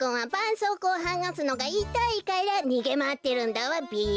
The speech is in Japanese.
そうこうをはがすのがいたいからにげまわってるんだわべ。